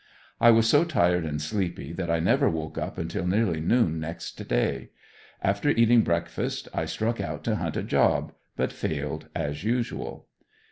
I was so tired and sleepy that I never woke up until nearly noon next day. After eating breakfast, I struck out to hunt a job, but failed as usual.